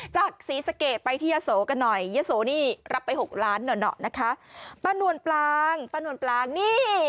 จากศรีสะเกดไปที่ยะโสกันหน่อยยะโสนี่รับไปหกล้านหน่อหน่อนะคะป้านวลปลางป้านวลปลางนี่